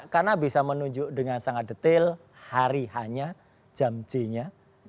karena bisa menunjuk dengan sangat detail hari hanya jam c nya